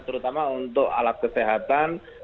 terutama untuk alat kesehatan